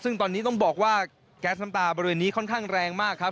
ซึ่งตอนนี้ต้องบอกว่าแก๊สน้ำตาบริเวณนี้ค่อนข้างแรงมากครับ